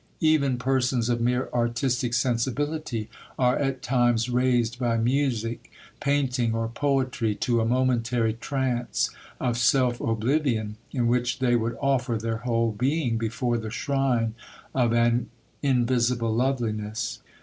Even persons of mere artistic sensibility are at times raised by music, painting, or poetry to a momentary trance of self oblivion, in which they would offer their whole being before the shrine of an invisible loveliness.